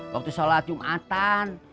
waktu sholat jumatan